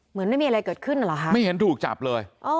เหมือนไม่มีอะไรเกิดขึ้นเหรอคะไม่เห็นถูกจับเลย